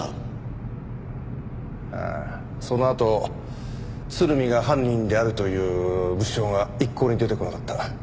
ああそのあと鶴見が犯人であるという物証が一向に出てこなかった。